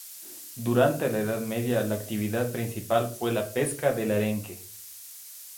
Durante la Edad Media la actividad principal fue la pesca del arenque.